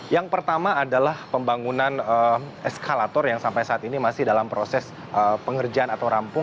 yang pertama adalah pembangunan eskalator yang sampai saat ini masih dalam proses pengerjaan atau rampung